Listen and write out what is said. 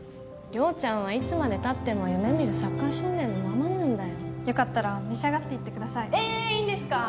亮ちゃんはいつまでたっても夢見るサッカー少年のままなんだよよかったら召し上がっていってくださいえっいいんですか？